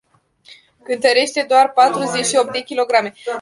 Cântărește doar patruzeci și opt de kilograme.